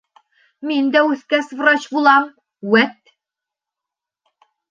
Мин дә, үҫкәс, врач булам, вәт!